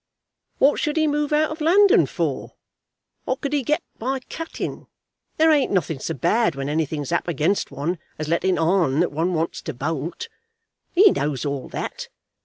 "What should he move out of London for? What could he get by cutting? There ain't nothing so bad when anything's up against one as letting on that one wants to bolt. He knows all that.